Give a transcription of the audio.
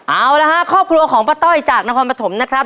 เอาละฮะครอบครัวของป้าต้อยจากนครปฐมนะครับ